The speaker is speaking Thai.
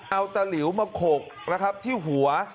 เอาตะหลิวมาขกนะครับที่หัว